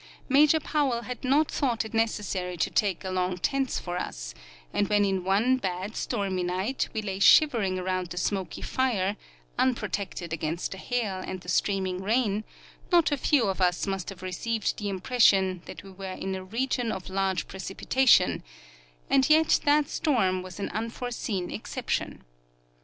Major Powell had not thought it necessary to take along tents for us, and when in one bad, stormy night we lay shivering around the smok}^ fire, un protected against the hail and the streaming rain, not a few of us must have received the impression that we were in a region of large precipitation; and yet that storm was an unforeseen exception.